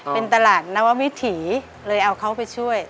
เป็นตลาดนววิถีเลยเอาเขาไปช่วย